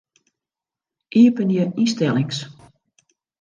Iepenje ynstellings.